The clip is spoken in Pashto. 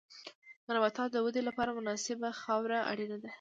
د نباتاتو د ودې لپاره مناسبه خاوره اړینه ده.